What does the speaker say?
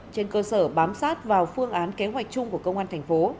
trên cơ sở bám sát vào phương án kế hoạch chung của công an thành phố